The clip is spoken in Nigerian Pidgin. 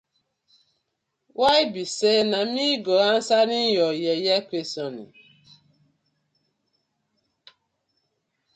Why bi say na mi go answering yah yeye questioning.